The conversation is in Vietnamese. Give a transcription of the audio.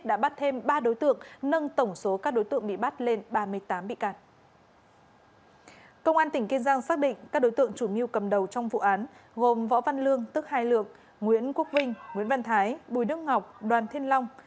đối tượng chủ nghiêu cầm đầu trong vụ án gồm võ văn lương tức hai lượng nguyễn quốc vinh nguyễn văn thái bùi đức ngọc đoàn thiên long